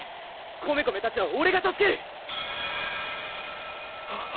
コメコメたちはオレが助ける！